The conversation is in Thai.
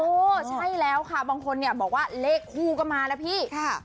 โอ้ใช่แล้วค่ะบางคนเนี่ยบอกว่าเลขคูก็มานะพี่